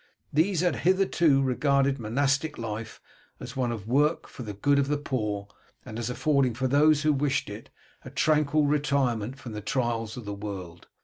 These had, hitherto, regarded monastic life as one of work for the good of the poor, and as affording for those who wished it a tranquil retirement from the trials of the world.